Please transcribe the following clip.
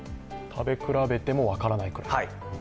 食べ比べても分からないくらい。